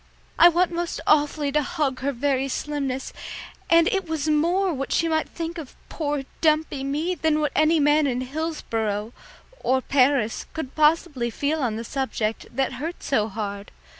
I want most awfully to hug her very slimness, and it was more what she might think of poor dumpy me than what any man in Hillsboro, or Paris, could possibly feel on the subject, that hurt so hard.